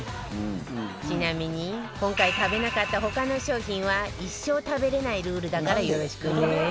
ちなみに今回食べなかった他の商品は一生食べれないルールだからよろしくね